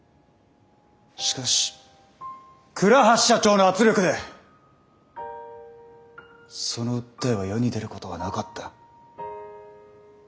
しかし倉橋社長の圧力でその訴えは世に出ることはなかった。